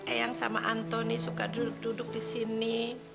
eyang sama antoni suka duduk di sini